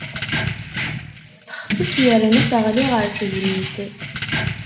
Texsef yerna teɣli ɣer tegnit.